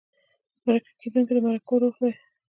مرکه کېدونکی د مرکو روح دی.